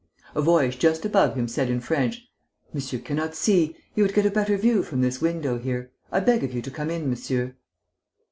A voice just above him said, in French: "Monsieur cannot see. He would get a better view from this window here. I beg of you to come in, monsieur."